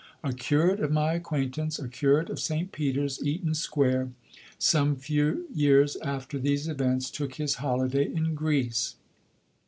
A curate of my acquaintance, a curate of St. Peter's, Eaton Square, some few years after these events, took his holiday in Greece.